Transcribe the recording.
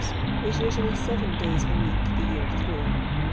s is usually seven days a week the year thniui h.